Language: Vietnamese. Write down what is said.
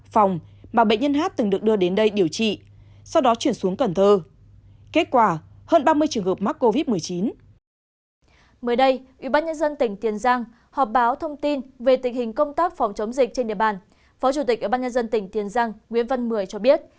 phó chủ tịch ủy ban nhân dân tỉnh tiền giang nguyễn văn mười cho biết